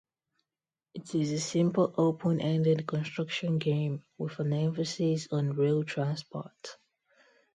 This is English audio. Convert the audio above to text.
It is a simple open-ended construction game with an emphasis on Rail Transport.